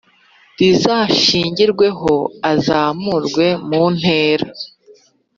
rizashingirweho azamurwe mu ntera